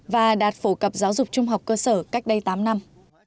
và đạt phổ cập giáo dục trung học cơ sở cách đây tám năm